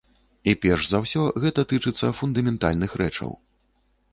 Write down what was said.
І перш за ўсё гэта тычыцца фундаментальных рэчаў.